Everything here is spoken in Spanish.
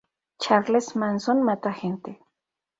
Charles Manson mata gente.